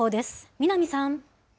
南さん。